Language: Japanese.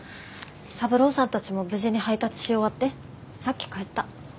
三郎さんたちも無事に配達し終わってさっき帰った。